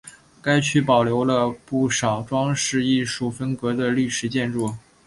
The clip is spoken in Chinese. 该区保留了不少装饰艺术风格的历史建筑。